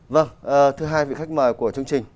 vâng thứ hai vị khách mời của chương trình